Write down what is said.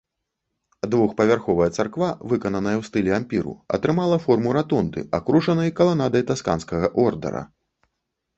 Двухпавярховая царква, выкананая ў стылі ампіру, атрымала форму ратонды, акружанай каланадай тасканскага ордара.